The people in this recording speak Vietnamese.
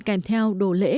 kèm theo đồ lễ